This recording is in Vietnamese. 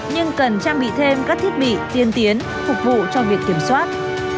nhưng cần trang bị thêm các thiết bị tiên tiến phục vụ cho việc kiểm soát